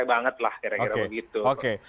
banget lah kira kira begitu